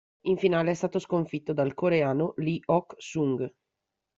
In finale è stato sconfitto dal coreano Lee Ok-Sung.